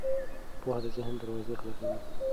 پوهه د ذهن دروازې خلاصوي.